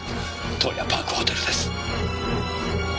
洞爺パークホテルです。